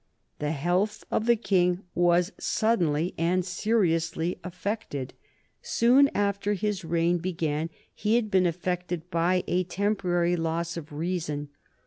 The health of the King was suddenly and seriously affected. Soon after his reign began he had been afflicted by a temporary loss of reason.